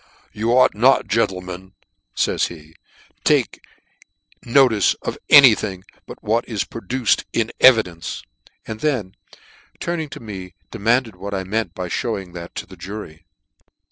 You ought not, gentlemen, fays he, * l to take notice of any thing, but what is pro fc duced in evidence. And, then y turning to " me, demanded what I meant by fhewing that " to the jury.